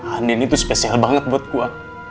andin itu spesial banget buat gue